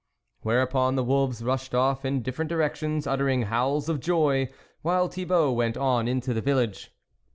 Whereupon the wolves rushed off in different directions, uttering howls of joy, while Thibault went on into the village.